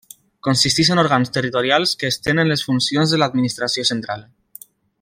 Consisteix en òrgans territorials que estenen les funcions de l'administració central.